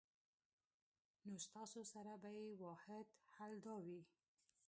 نو ستاسو سره به ئې واحد حل دا وي